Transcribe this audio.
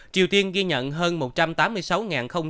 triều tiên ghi nhận hơn một trăm tám mươi sáu chín mươi trường hợp